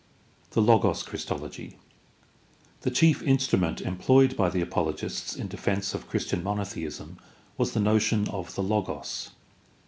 The Logos Christology. — The chief instrument employed by the apologists in defense of Christian monotheism was the notion of the Logos.